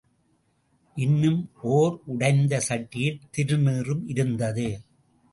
இன்னும் ஓர் உடைந்த சட்டியில் திருநீறும் இருந்தது.